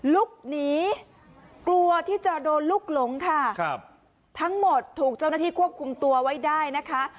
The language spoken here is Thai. ลุกหนีกลัวที่จะโดนลุกหลงค่ะครับทั้งหมดถูกเจ้าหน้าที่ควบคุมตัวไว้ได้นะคะ